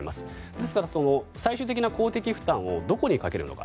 ですから、最終的な公的負担をどこにかけるのか。